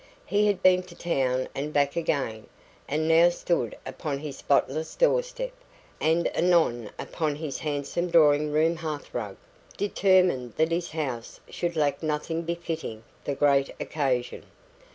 He had been to town and back again, and now stood upon his spotless doorstep, and anon upon his handsome drawing room hearthrug, determined that his house should lack nothing befitting the great occasion.